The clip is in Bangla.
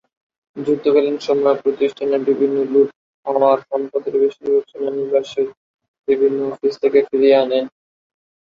যুদ্ধকালীন সময়ে প্রতিষ্ঠানের বিভিন্ন লুট হওয়ার সম্পদের বেশিরভাগ সেনানিবাসের বিভিন্ন অফিস থেকে ফিরিয়ে আনেন।